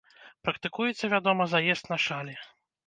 Практыкуецца, вядома, заезд на шалі.